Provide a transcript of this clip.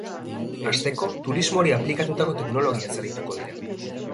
Hasteko, turismoari aplikatutako teknologiaz arituko dira.